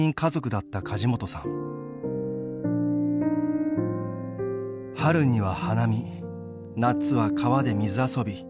だった梶本さん春には花見夏は川で水遊び